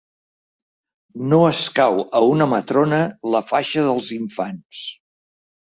No escau a una matrona la faixa dels infants;